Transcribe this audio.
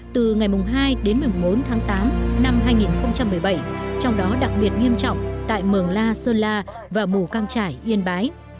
từ ngày hai đến một mươi bốn tháng tám năm hai nghìn một mươi bảy trong đó đặc biệt nghiêm trọng tại mường la sơn la và mù căng trải yên bái